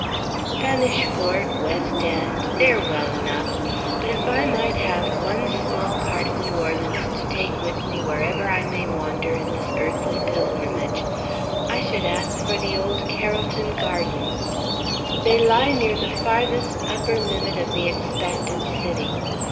Spanish Fort West End they are well enough; but if I might have one small part of New Orleans to take with me wherever I may wander in this earthly pilgrimage, I should ask for the old Carrollton Gardens. They lie near the farthest upper limit of the expanded city.